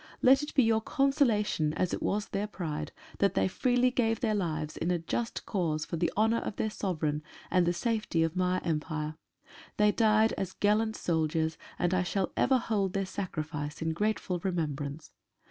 Let it be your consolation, as it was their pride, that they freely gave their lives in a just cause for the honour of their Sovereign and the safety of My Empire. They died as gallant soldiers, and I shall ever hold their sacrifice in grateful remembrance.